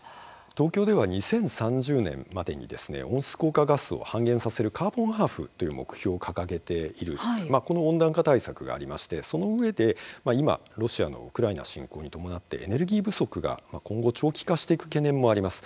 東京では２０３０年までに温室効果ガスを半減させる「カーボンハーフ」という目標を掲げているこの温暖化対策がありましてそのうえで今、ロシアのウクライナ侵攻に伴ってエネルギー不足が今後長期化していく懸念もあります。